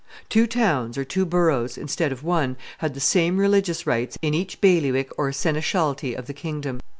Two towns or two boroughs, instead of one, had the same religious rights in each bailiwick or seneschalty of the kingdom.